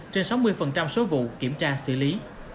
trên sáu mươi số vụ kiểm tra xử lý